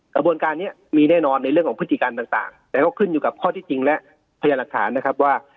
กระบวนการนี้มีแน่นอนในเรื่องของพฤติการต่างแต่ก็ขึ้นอยู่กับข้อที่จริงและพยายามหลักฐานนะครับว่า